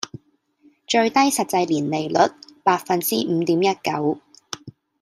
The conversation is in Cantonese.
最低實際年利率︰百分之五點一九